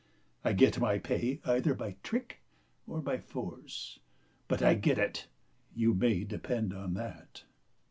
I get my pay either by trick or by force ; but I get it, you may depend upon that."